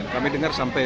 kami dengar sampai